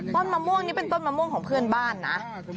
มะม่วงนี่เป็นต้นมะม่วงของเพื่อนบ้านนะ